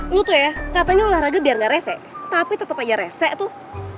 lu tuh ya katanya olahraga biar nggak rese tapi tetap aja rese tuh